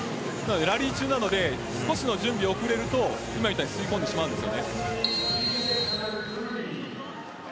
ラリー中なので少し準備が遅れると今のように吸い込んでしまいます。